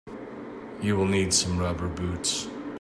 You will need some rubber boots.